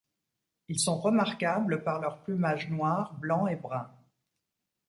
Ils sont remarquables par leur plumage noir, blanc et brun.